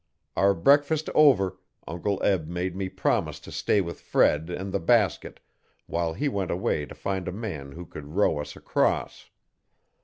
Our breakfast over, Uncle Eb made me promise to stay with Fred and the basket while he went away to find a man who could row us across.